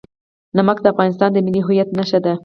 نمک د افغانستان د ملي هویت نښه ده.